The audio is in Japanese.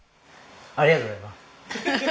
ありがとうございます。